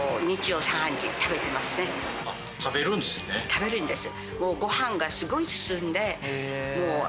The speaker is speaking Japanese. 食べるんです。